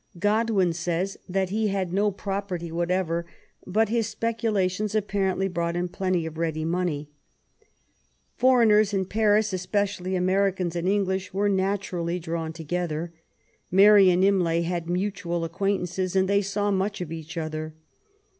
Godwin says that he had no property whatever, but his specula tions apparently brought him plenty of ready money. Foreigners in Paris, especially Americans and Eng lish, were naturally drawn together. Mary and Imlay had mutual acquaintances, and they saw much of each other.